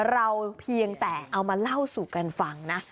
เพียงแต่เอามาเล่าสู่กันฟังนะ